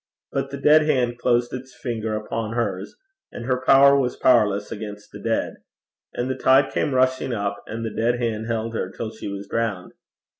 But the dead hand closed its fingers upon hers, and her power was powerless against the dead. And the tide came rushing up, and the dead hand held her till she was drowned.